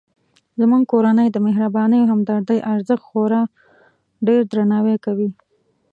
زموږ کورنۍ د مهربانۍ او همدردۍ ارزښت خورا ډیردرناوی کوي